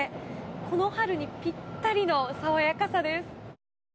この春にぴったりの爽やかさです。